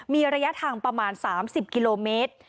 มีระยะทางประมาณ๓๐กิโลเมตร